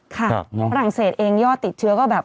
ฝรั่งเศสเองยอดติดเชื้อก็แบบ